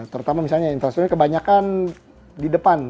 terutama misalnya infrastrukturnya kebanyakan di depan